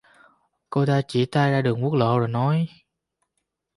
Cô ta chỉ tay ra đường quốc lộ rồi nói